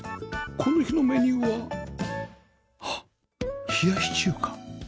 この日のメニューははっ冷やし中華